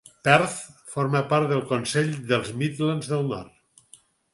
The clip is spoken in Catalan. Perth forma part del Consell dels Midlands del Nord.